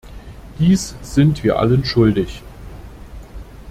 Dies sind wir allen schuldig.